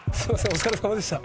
お疲れさまでした。